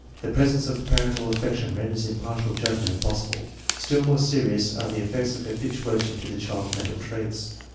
The presence of parental affection renders impartial judgment impossible. Still more serious are the effects of habituation to the child's mental traits.